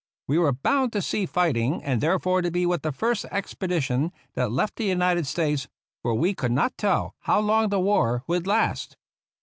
We were bound to see fighting, and therefore to be with the first expedition that left the United States; for we could not tell how long the war would last.